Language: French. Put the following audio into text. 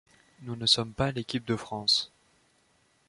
Nous ne sommes pas l’équipe de France.